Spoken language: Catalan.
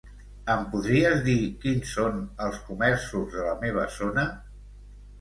Em podries dir quins són els comerços de la meva zona?